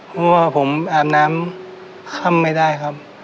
เพราะว่าผมอาบน้ำค่ำไม่ได้ครับ